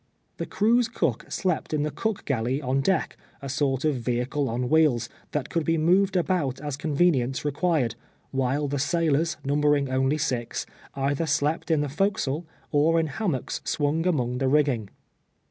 The crew's cook slept in the cook galley on deck, a sort of vehicle on wheels, that could be mov ed about as convenience required, while the sailors, numbering only six, either slept in the forecastle, or in hammocks swung among the rigging.